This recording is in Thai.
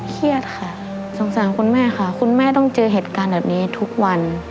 เครียดค่ะสงสารคุณแม่ค่ะคุณแม่ต้องเจอเหตุการณ์แบบนี้ทุกวัน